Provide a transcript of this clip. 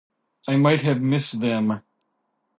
I might have missed them.